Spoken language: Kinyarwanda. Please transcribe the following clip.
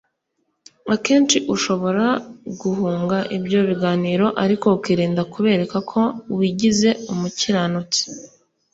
Akenshi ushobora guhunga ibyo biganiro ariko ukirinda kubereka ko wigize umukiranutsi